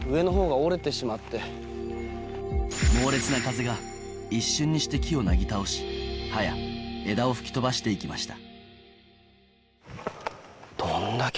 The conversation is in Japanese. もう。が一瞬にして木をなぎ倒し葉や枝を吹き飛ばして行きました